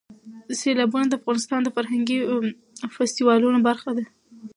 سیلابونه د افغانستان د فرهنګي فستیوالونو برخه ده.